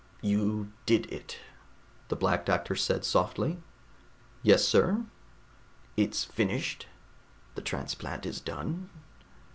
"You did it?" the Black Doctor said softly. "Yes, sir." "It's finished? The transplant is done?"